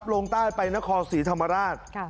ลงใต้ไปนครศรีธรรมราช